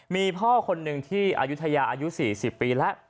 มีพ่อคนหนึ่งที่อายุทยาอายุ๔๐ปีแล้ว